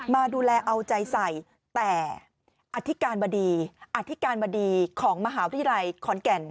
มาดูแลเอาใจใส่แต่อธิการบดีอธิการบดีของมหาวิทยาลัยขอนแก่น